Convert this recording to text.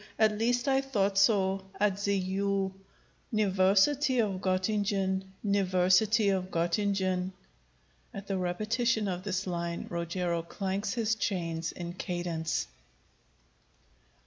At least I thought so at the U niversity of Gottingen, niversity of Gottingen. [_At the repetition of this line Rogero clanks his chains in cadence.